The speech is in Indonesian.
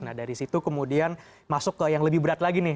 nah dari situ kemudian masuk ke yang lebih berat lagi nih